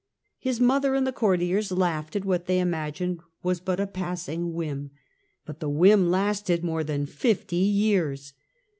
His mother and the courtiers laughed at what they imagined was but a passing whim. But the whim lasted more than fifty years.